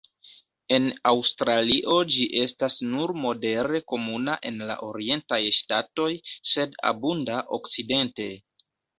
En Aŭstralio ĝi estas nur modere komuna en la orientaj ŝtatoj, sed abunda okcidente.